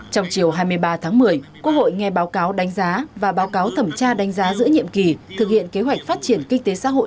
trong chiều hai mươi ba tháng một mươi quốc hội nghe báo cáo đánh giá và báo cáo thẩm tra đánh giá giữa nhiệm kỳ thực hiện kế hoạch phát triển kinh tế xã hội